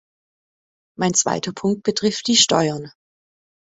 Mein zweiter Punkt betrifft die Steuern.